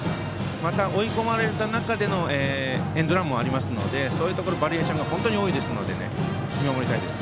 また、追い込まれた中でのエンドランもありますのでそういうところバリエーションが多いので見守りたいです。